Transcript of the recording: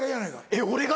えっ俺が？